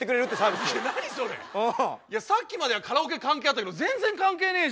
さっきまではカラオケ関係あったけど全然関係ねえじゃん。